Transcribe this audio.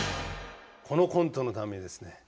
このコントのためにですね